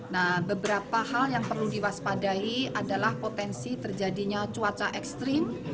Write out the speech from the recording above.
nah beberapa hal yang perlu diwaspadai adalah potensi terjadinya cuaca ekstrim